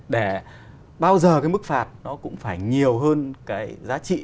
để bao giờ cái mức phạt nó cũng phải nhiều hơn cái giá trị